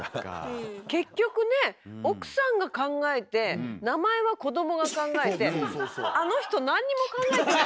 結局ね奥さんが考えて名前は子どもが考えてあの人何にも考えてない。